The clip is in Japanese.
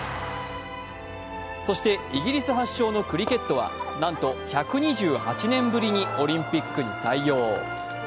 そして、イギリス発祥のクリケットはなんと１２８年ぶりにオリンピックに採用。